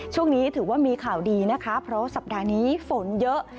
ช่วงนี้ถือว่ามีข่าวดีนะคะเพราะว่าสัปดาห์นี้ฝนเยอะ